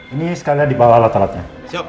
ini sekalian di bawah alat alatnya